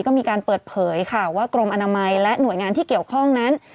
ก็มีการเปิดเผยค่ะว่ากรมอนามัยและหน่วยงานที่เกี่ยวข้องนั้น